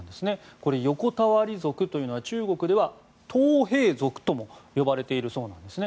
これ、横たわり族というのは中国ではトウヘイ族とも呼ばれているそうなんですね。